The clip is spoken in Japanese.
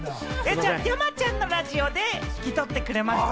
じゃあ、山ちゃんのラジオで引き取ってくれますか？